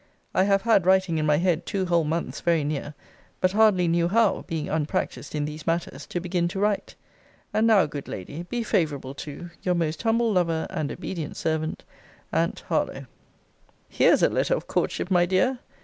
I have had writing in my head two whole months very near; but hardly knew how (being unpracticed in these matters) to begin to write. And now, good lady, be favourable to Your most humble lover, and obedient servant, ANT. HARLOWE. Here's a letter of courtship, my dear!